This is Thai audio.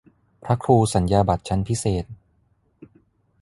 พระครูสัญญาบัตรชั้นพิเศษ